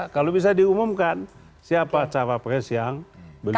kalau bisa diumumkan siapa sawapres yang beliau